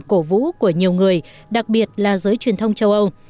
cổ vũ của nhiều người đặc biệt là giới truyền thông châu âu